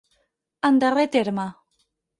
En darrer terme.